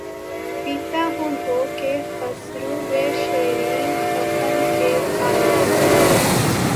پیتا ہوں دھو کے خسروِ شیریں سخن کے پانو